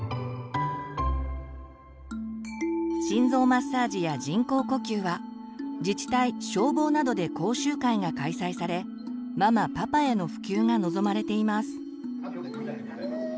心臓マッサージや人工呼吸は自治体消防などで講習会が開催されママ・パパへの普及が望まれています。